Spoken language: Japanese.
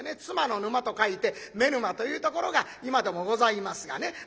妻の沼と書いて「妻沼」というところが今でもございますがね。